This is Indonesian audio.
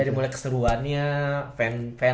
dari mulai keseruannya fan nya lah gitu